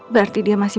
berarti dia masih